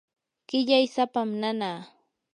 qillay sapam nanaa.